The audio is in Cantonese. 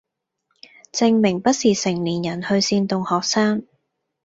證明不是成年人去煽動學生